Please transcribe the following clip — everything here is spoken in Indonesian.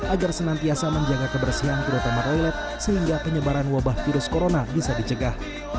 agar senantiasa menjaga kebersihan terutama toilet sehingga penyebaran wabah virus corona bisa dicegah